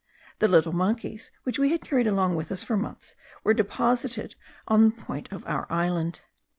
The little monkeys which we had carried along with us for months were deposited on the point of our island.